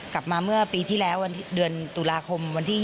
กลับมาเมื่อปีที่แล้วเดือนตุลาคมวันที่๒